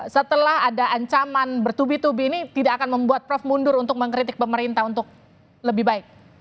setelah ada ancaman bertubi tubi ini tidak akan membuat prof mundur untuk mengkritik pemerintah untuk lebih baik